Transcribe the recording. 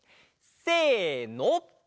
せの。